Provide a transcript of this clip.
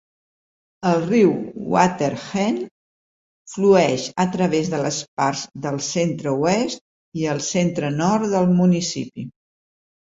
El riu Water Hen flueix a través de les parts del centre-oest i el centre-nord del municipi.